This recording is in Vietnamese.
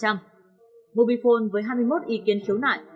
mobifone với hai mươi một ý kiến khiếu nại